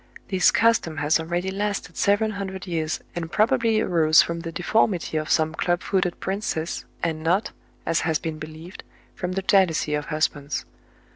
This custom has already lasted seven hundred years, and probably arose from the deformity of some club footed princess, and not, as has been believed, from the jealousy of husbands.